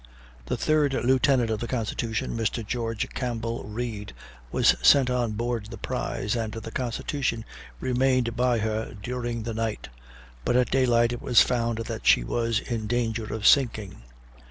The third lieutenant of the Constitution, Mr. George Campbell Read, was sent on board the prize, and the Constitution remained by her during the night; but at daylight it was found that she was in danger of sinking.